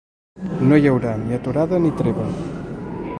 No hi haurà ni aturada ni treva.